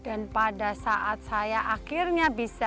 dan pada saat saya akhirnya bisa